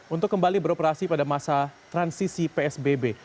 untuk kembali beroperasi pada masa transisi psbb